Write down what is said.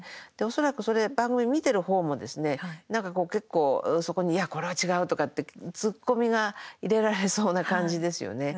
恐らくそれ、番組見てる方もですね、なんか結構そこに、いやこれは違うとかって突っ込みが入れられそうな感じですよね。